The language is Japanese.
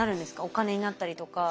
お金になったりとか。